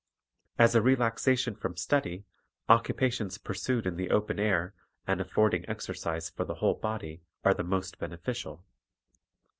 As a relaxation from study, occupations pursued in the open air, and affording exercise for the whole body, are the most beneficial.